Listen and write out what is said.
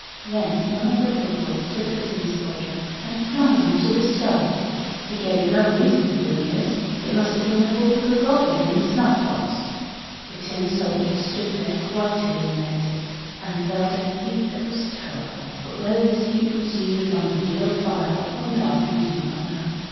Then one of the little boys took the Tin Soldier and flung him into the stove. He gave no reason for doing this. It must have been the fault of the Goblin in the snuff box. The Tin Soldier stood there quite illuminated, and felt a heat that was terrible; but whether this heat proceeded from the real fire or from love he did not know.